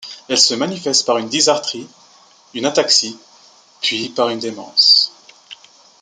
Elle se manifeste par une dysarthrie, une ataxie, puis par une démence.